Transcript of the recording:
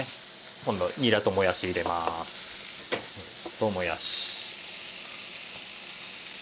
今度にらともやし入れます。ともやし。